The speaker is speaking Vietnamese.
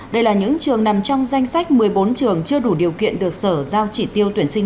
đây là những trường nằm trong danh sách một mươi bốn trường chưa đủ điều kiện được sở giao chỉ tiêu tuyển sinh